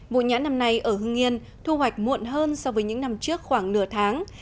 vụ nhãn năm nay ở hương yên thu hoạch muộn hơn so với những năm trước khoảng nửa tháng